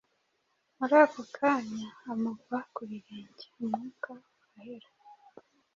Muri ako kanya amugwa ku birenge, umwuka urahera.